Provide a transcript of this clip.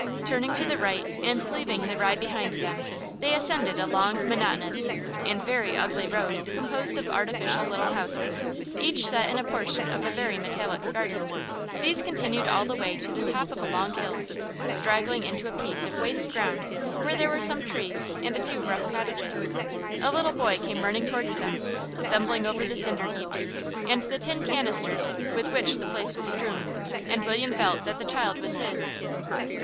Turning to the right and leaving the Rye behind them, they ascended a long, monotonous, and very ugly road composed of artificial little houses, each set in a portion of very metallic garden. These continued all the way to the top of a long hill, straggling into a piece of waste ground where there were some trees and a few rough cottages. A little boy came running towards them, stumbling over the cinder heaps and the tin canisters with which the place was strewn, and William felt that that child was his.